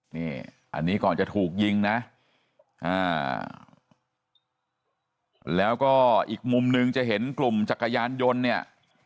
นี่อันนี้ก่อนจะถูกยิงนะแล้วก็อีกมุมนึงจะเห็นกลุ่มจักรยานยนต์เนี่ย